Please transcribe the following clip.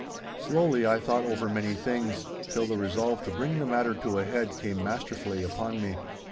Slowly I thought over many things, till the resolve to bring the matter to a head came masterfully upon me.